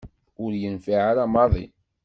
Ur yenfiε ara maḍi.